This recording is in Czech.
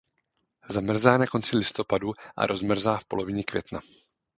Zamrzá na konci listopadu a rozmrzá v polovině května.